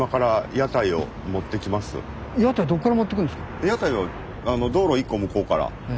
屋台は道路一個向こうから。